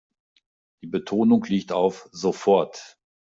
Die Betonung liegt auf sofort.